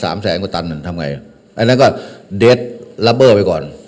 แสนกว่าตันมันทำไงอันนั้นก็เดสลับเบอร์ไปก่อน